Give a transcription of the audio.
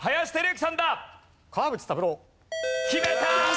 決めた！